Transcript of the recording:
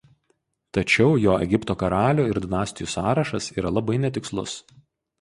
Tačiau jo Egipto karalių ir dinastijų sąrašas yra labai netikslus.